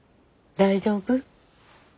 大丈夫？